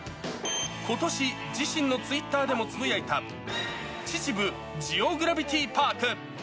ことし、自身のツイッターでもつぶやいた、秩父ジオグラビティパーク。